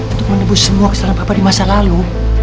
untuk menebus semua kesalahan bapak di masa lalu